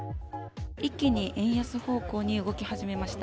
一気に円安方向に動き始めました。